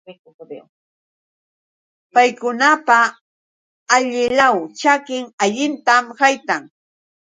Paykunapa allilaw ćhakin allintam haytan.